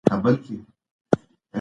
د ژبې سوچه کول د ټولو دنده ده.